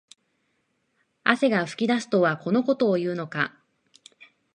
汗が噴き出すとはこのことを言うのか